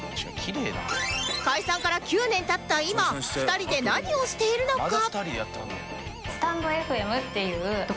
解散から９年経った今２人で何をしているのか？